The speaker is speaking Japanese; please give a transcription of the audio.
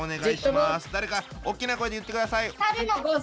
誰かおっきな声で言ってください！